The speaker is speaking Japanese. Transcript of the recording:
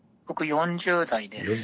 ４０代で。